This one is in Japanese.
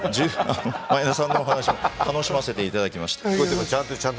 真栄田さんにも楽しませていただきました。